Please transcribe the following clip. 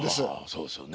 そうですね。